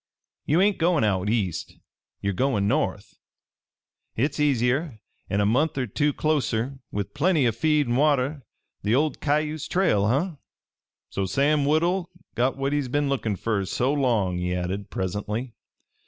Ye ain't goin' out east ye're goin' north. Hit's easier, an' a month er two closter, with plenty o' feed an' water the old Cayuse trail, huh? "So Sam Woodhull got what he's been lookin' fer so long!" he added presently.